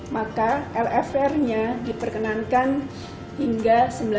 maka lfr nya diperkenankan hingga sembilan belas